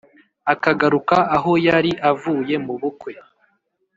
akagaruka aho yari avuye mu bukwe